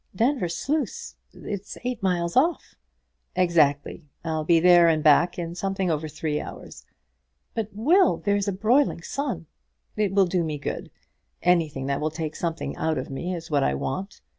"Denvir Sluice is eight miles off." "Exactly, I'll be there and back in something over three hours." "But, Will, there's a broiling sun." "It will do me good. Anything that will take something out of me is what I want.